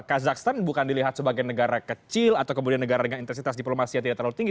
kazakhstan bukan dilihat sebagai negara kecil atau kemudian negara dengan intensitas diplomasi yang tidak terlalu tinggi